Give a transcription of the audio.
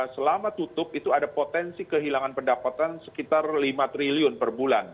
selama tutup itu ada potensi kehilangan pendapatan sekitar lima triliun per bulan